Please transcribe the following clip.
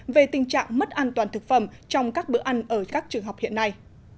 về tình trạng mất an toàn thực phẩm trong các bữa ăn ở các trường học hiện nay